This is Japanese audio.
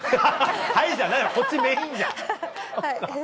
「はい」じゃないわこっちメインじゃ！